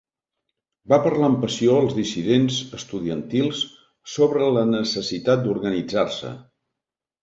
Va parlar amb passió als dissidents estudiantils sobre la necessitat d'organitzar-se.